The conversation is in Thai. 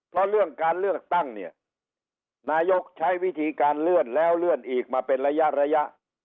เพราะเรื่องการเลือกตั้งเนี่ยนายกใช้วิธีการเลื่อนแล้วเลื่อนอีกมาเป็นระยะระยะ